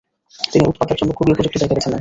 তিনি ওঁৎ পাতার জন্য খুবই উপযুক্ত জায়গা বেছে নেন।